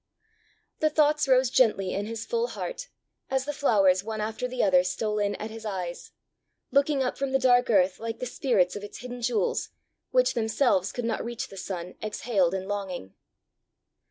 The thoughts rose gently in his full heart, as the flowers, one after the other, stole in at his eyes, looking up from the dark earth like the spirits of its hidden jewels, which themselves could not reach the sun, exhaled in longing.